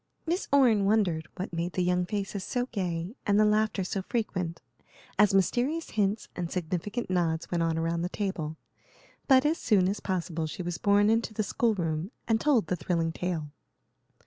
Miss Orne wondered what made the young faces so gay and the laughter so frequent, as mysterious hints and significant nods went on around the table; but as soon as possible she was borne into the school room and told the thrilling tale.